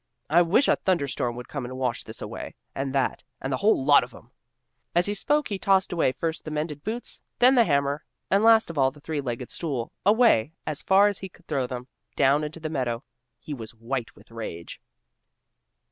I wish a thunder storm would come and wash this away, and that, and the whole lot of 'em!" As he spoke he tossed away first the mended boots, then the hammer, and last of all the three legged stool, away, as far as he could throw them, down into the meadow. He was white with rage.